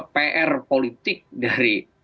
pr politik dari